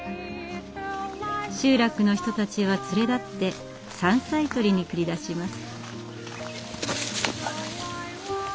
集落の人たちは連れ立って山菜採りに繰り出します。